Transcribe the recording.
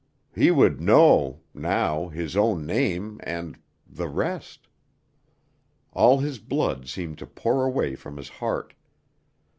He would know, now his own name, and the rest. All his blood seemed to pour away from his heart.